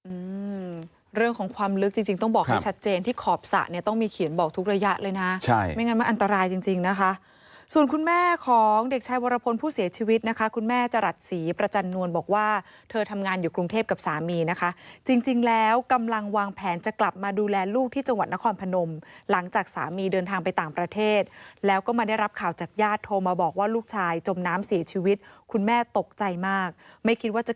อืมเรื่องของความลึกจริงจริงต้องบอกให้ชัดเจนที่ขอบศะเนี่ยต้องมีเขียนบอกทุกระยะเลยน่ะใช่ไม่งั้นมันอันตรายจริงจริงนะคะส่วนคุณแม่ของเด็กชายวรพลผู้เสียชีวิตนะคะคุณแม่จรัสสีประจันนวลบอกว่าเธอทำงานอยู่กรุงเทพกับสามีนะคะจริงจริงแล้วกำลังวางแผนจะกลับมาดูแลลูกที่จังหวัดนครพนม